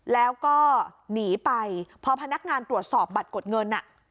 แล้วก็หนีไปพอพนักงานตรวจสอบบัตรกดเงิน